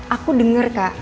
aku denger kak